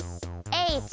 Ｈ！